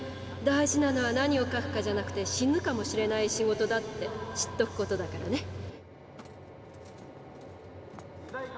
大事なのは何を書くかじゃなくて「死ぬかもしれない仕事だ」って知っとくことだからね。